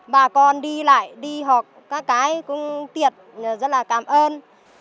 bà con đi lại đi học các cái cũng tiệt rất là cảm ơn